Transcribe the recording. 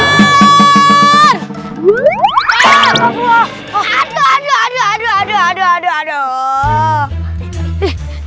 aduh aduh aduh aduh aduh aduh aduh aduh